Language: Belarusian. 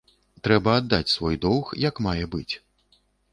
Трэба аддаць свой доўг, як мае быць.